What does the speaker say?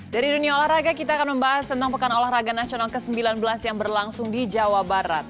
dari dunia olahraga kita akan membahas tentang pekan olahraga nasional ke sembilan belas yang berlangsung di jawa barat